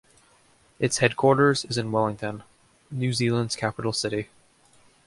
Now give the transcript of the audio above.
Its headquarters is in Wellington, New Zealand's capital city.